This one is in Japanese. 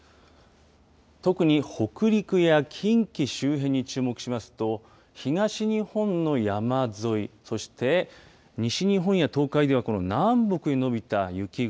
特に北陸や近畿周辺に注目しますと東日本の山沿いそして西日本や東海ではこの南北に延びた雪雲